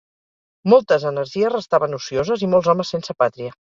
moltes energies restaven ocioses i molts homes sense pàtria